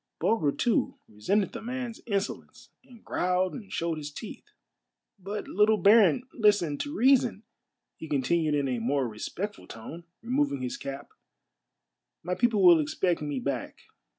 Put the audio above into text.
Bulger, too, resented the man's insolence, and growled and showed his teeth. " But, little baron, listen to reason," he continued in a more respectful tone, removing his cap ;" my people will expect me back.